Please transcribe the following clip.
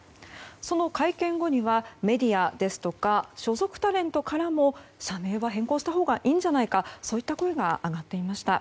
その会見後にはメディアですとか所属タレントからも社名は変更したほうがいいんじゃないかそういった声が上がっていました。